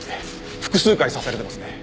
複数回刺されてますね。